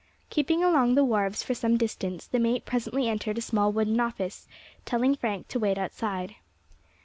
Keeping along the wharves for some distance, the mate presently entered a small wooden office, telling Frank to wait outside.